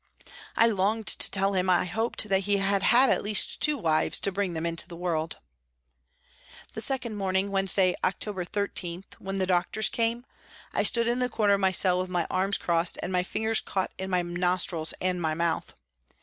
I longed to tell him I hoped that he had had at least two wives to bring them into the world ! The second morning, Wednesday, October 13, when the doctors came, I stood in the corner of my cell with my arms crossed and my fingers caught in my nostrils and my mouth.